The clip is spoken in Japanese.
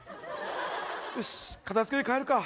よし片づけて帰るか。